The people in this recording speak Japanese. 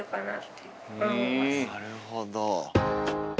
なるほど。